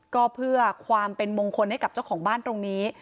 ก็เพื่อความเป็นมงคลให้กับเจ้าของบ้านตรงนี้